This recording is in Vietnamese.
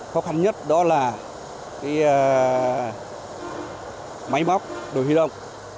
khó khăn nhất đó là cái máy móc đồ huy động